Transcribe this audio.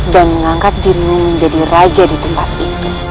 dan mengangkat dirimu menjadi raja di tempat itu